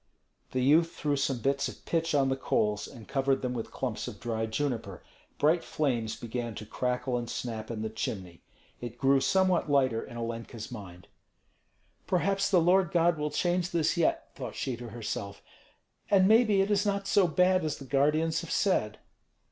The youth threw some bits of pitch on the coals and covered them with clumps of dry juniper. Bright flames began to crackle and snap in the chimney. It grew somewhat lighter in Olenka's mind. "Perhaps the Lord God will change this yet," thought she to herself, "and maybe it is not so bad as the guardians have said."